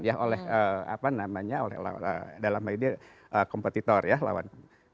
ya oleh apa namanya dalam hal ini kompetitor ya lawan